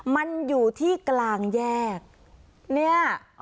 มันอยู่ที่กลางแยกเนี่ย